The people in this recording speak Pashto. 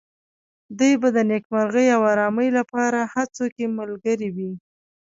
دوی به د نېکمرغۍ او آرامۍ لپاره هڅو کې ملګري وي.